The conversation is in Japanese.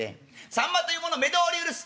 さんまというもの目通り許す。